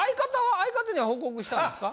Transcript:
相方には報告したんですか？